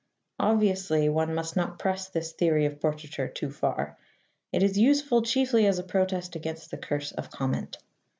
Obviously, one must not press this theory of portraiture too far. It is useful chiefly as a protest against the curse of comment.